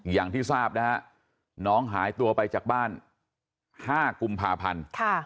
อย่างที่ทราบนะฮะน้องหายตัวไปจากบ้าน๕กุมภาพันธ์